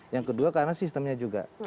yang kedua karena sistemnya juga